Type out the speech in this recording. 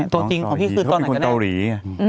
ตัวจริงของพี่คือตอนไหนกันเนี่ย